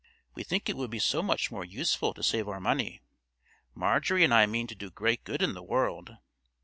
"We think it would be so much more useful to save our money. Marjorie and I mean to do great good in the world."